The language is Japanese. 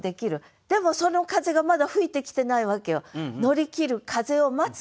でもその風がまだ吹いてきてないわけよ。